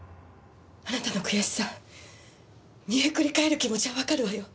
あなたの悔しさ煮えくり返る気持ちはわかるわよ。